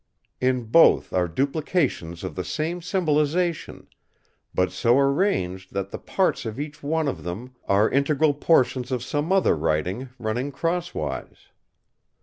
In both are duplications of the same symbolisation, but so arranged that the parts of each one of them are integral portions of some other writing running crosswise.